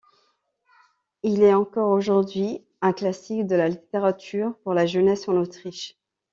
Il est encore aujourd'hui un classique de la littérature pour la jeunesse en Autriche.